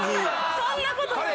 そんなことない。